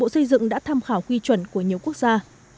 xây dựng đã tham khảo quy chuẩn của nhiều quốc gia